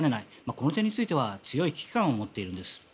この点については強い危機感を持っているんです。